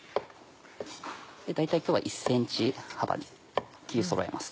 大体今日は１ｃｍ幅に切りそろえます。